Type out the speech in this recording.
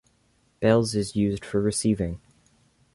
Bell's is used for receiving.